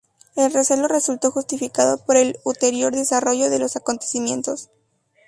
El recelo resultó justificado por el ulterior desarrollo de los acontecimientos.